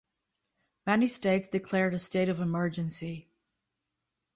Many states declared a state of emergency.